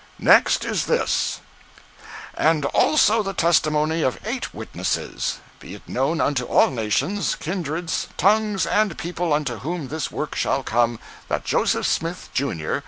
Next is this: AND ALSO THE TESTIMONY OF EIGHT WITNESSES. Be it known unto all nations, kindreds, tongues, and people unto whom this work shall come, that Joseph Smith, Jr.